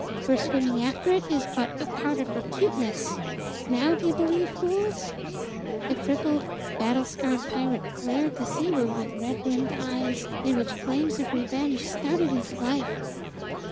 Her swimming after it is but a part of her cuteness. Now d'ye believe, fools!" The crippled, battle scarred pirate glared to seaward with red rimmed eyes in which flames of revenge started into life.